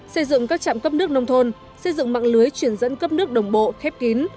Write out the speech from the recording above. xây dựng các trạm cấp nước nông thôn xây dựng mạng lưới chuyển dẫn cấp nước đồng bộ khép kín